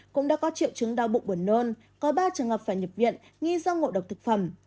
cũng đã có triệu chứng đau bụng buồn nôn có ba trường hợp phải nhập viện nghi do ngộ độc thực phẩm